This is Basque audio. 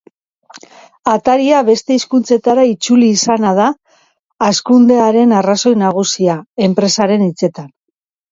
Ataria beste hizkuntzetara itzuli izana da hazkundearen arrazoi nagusia, enpresaren hitzetan.